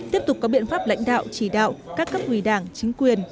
tiếp tục có biện pháp lãnh đạo chỉ đạo các cấp ủy đảng chính quyền